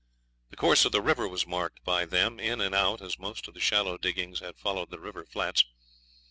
The course of the river was marked by them, in and out, as most of the shallow diggings had followed the river flats.